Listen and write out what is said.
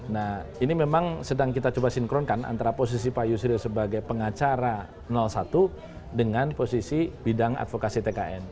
nah ini memang sedang kita coba sinkronkan antara posisi pak yusril sebagai pengacara satu dengan posisi bidang advokasi tkn